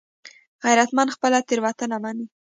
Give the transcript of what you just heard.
غیرتمند خپله تېروتنه مني